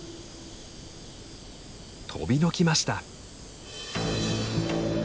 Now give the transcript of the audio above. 飛びのきました！